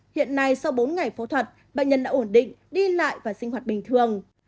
hiện nay sau bốn ngày phẫu thuật bệnh nhân đã ổn định đi lại và sinh hoạt bình thường